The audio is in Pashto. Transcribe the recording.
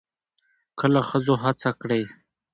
کله ښځو هڅه کړې